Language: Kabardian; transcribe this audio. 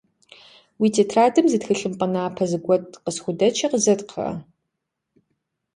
Уи тетрадым зы тхылъымпӏэ напэ зэгуэт къысхудэчи къызэт, кхъыӏэ.